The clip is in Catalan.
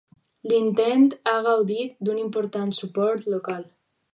L'intent ha gaudit d'un important suport local.